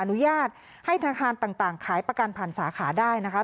อนุญาตให้ธนาคารต่างขายประกันผ่านสาขาได้นะคะ